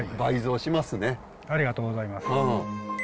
ありがとうございます。